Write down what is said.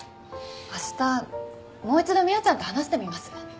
明日もう一度未央ちゃんと話してみます。